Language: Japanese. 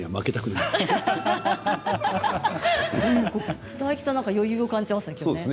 笑い声大吉さん、余裕を感じますね。